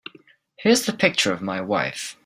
Here's the picture of my wife.